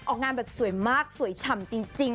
ออกงานแบบสวยมากสวยฉ่ำจริง